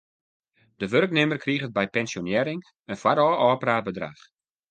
De wurknimmer kriget by pensjonearring in foarôf ôfpraat bedrach.